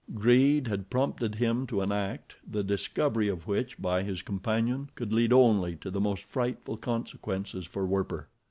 Greed had prompted him to an act, the discovery of which by his companion could lead only to the most frightful consequences for Werper.